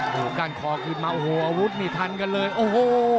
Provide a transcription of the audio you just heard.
โอ้โหก้านคอขึ้นมาโอ้โหอาวุธนี่ทันกันเลยโอ้โห